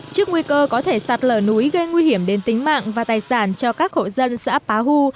trước nguy cơ có thể sạt lở núi gây nguy hiểm đến tính mạng và tài sản cho các hộ dân xã pá hu